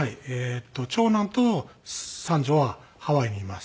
長男と三女はハワイにいます。